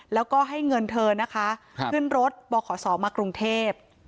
แล้วก็ให้เงินเธอนะคะขึ้นรถบขศมากรุงเทพ